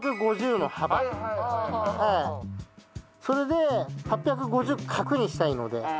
それで８５０角にしたいので。